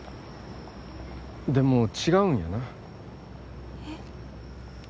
でも違うんやな。